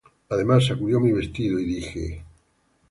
Además sacudí mi vestido, y dije: